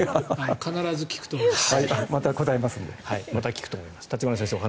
必ず聞くと思います。